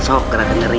sok ga kena dengerin